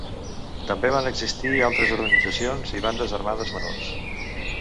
També van existir altres organitzacions i bandes armades menors.